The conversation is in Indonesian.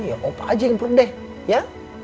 iya opa aja yang pendeh ya